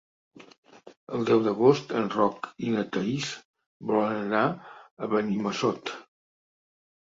El deu d'agost en Roc i na Thaís volen anar a Benimassot.